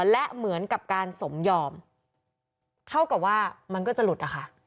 และเหมือนกับการสมยอมเท่ากับว่ามันก็จะหลุดนะคะ